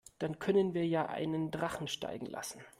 Dann können wir ja einen Drachen steigen lassen.